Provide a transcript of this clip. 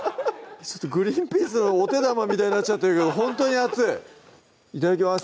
グリンピースのお手玉みたいになっちゃってるけどほんとに熱いいただきます